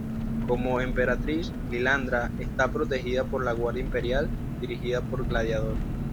Como Emperatriz, Lilandra está protegida por la Guardia Imperial, dirigida por Gladiador.